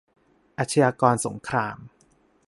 อาชญากรสงคราม